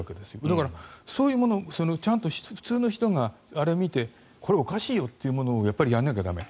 だから、そういうものをちゃんと普通の人があれを見てこれ、おかしいよと思うものをやんなきゃ駄目。